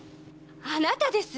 あなたです。